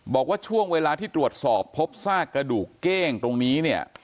บอกว่าช่วงเวลาที่ตรวจสอบพบซากกระดูกเก้งตรงนี้เนี่ย